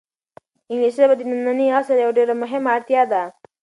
انګلیسي ژبه د ننني عصر یوه ډېره مهمه اړتیا ده.